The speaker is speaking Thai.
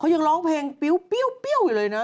เขายังร้องเพลงเปรี้ยวเลยนะ